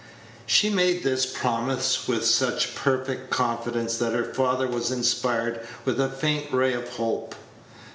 She made this promise with such perfect confidence that her father was inspired with a faint ray of hope.